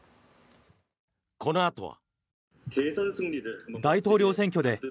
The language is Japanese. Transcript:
このあとは。